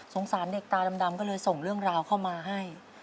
สารเด็กตาดำก็เลยส่งเรื่องราวเข้ามาให้